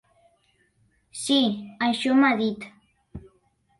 Sí, això m'ha dit.